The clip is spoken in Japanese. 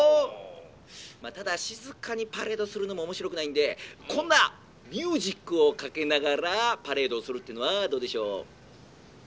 まあただ静かにパレードするのも面白くないんでこんなミュージックをかけながらパレードをするっていうのはどうでしょう？」。